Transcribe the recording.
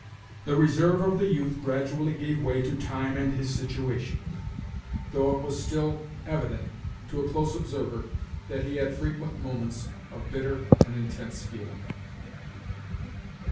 The reserve of the youth gradually gave way to time and his situation, though it was still evident, to a close observer, that he had frequent moments of bitter and intense feeling.